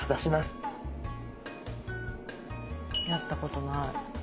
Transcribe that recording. やったことない。